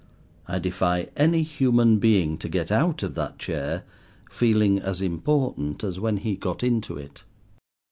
I defy any human being to get out of that chair, feeling as important as when he got into it.